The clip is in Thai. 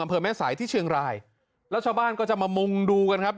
อำเภอแม่สายที่เชียงรายแล้วชาวบ้านก็จะมามุงดูกันครับ